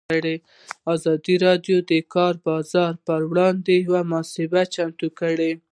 ازادي راډیو د د کار بازار پر وړاندې یوه مباحثه چمتو کړې.